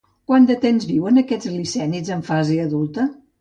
Quant de temps viuen aquests licènids en fase adulta?